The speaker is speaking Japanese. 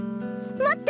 待って！